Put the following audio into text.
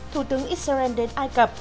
thủ tướng israel đến ai cập